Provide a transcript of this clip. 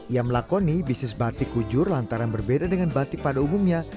ia melakoni bisnis batik kujur lantaran berbeda dengan batik pada umumnya